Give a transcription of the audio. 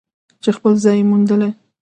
چې خپل ځای یې موندلی.